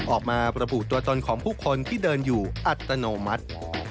ออกมาระบุตัวตนของผู้คนที่เดินอยู่อัตโนมัติ